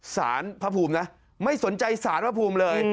สารพระภูมินะไม่สนใจสารพระภูมิเลย